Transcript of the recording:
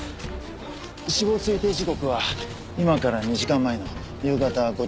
死亡推定時刻は今から２時間前の夕方５時前後です。